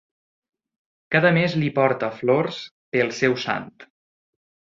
Cada mes li porta flors pel seu sant.